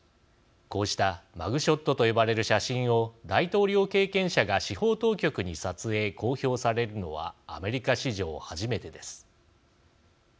こうしたマグショットと呼ばれる写真を大統領経験者が司法当局に撮影、公表されるのはアメリカ史上初めてです。